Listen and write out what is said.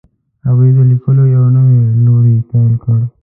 هغوی د لیکلو یو نوی لوری پیل کړ.